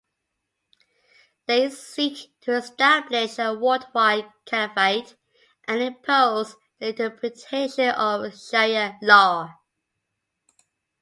They seek to establish a worldwide caliphate and impose their interpretation of Sharia law.